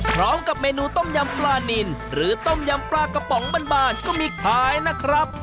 พร้อมกับเมนูต้มยำปลานินหรือต้มยำปลากระป๋องบ้านก็มีขายนะครับ